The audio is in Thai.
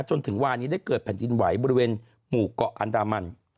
จนถึงวานี้ได้เกิดแผ่นดินไหวบริเวณหมู่เกาะอันดามัน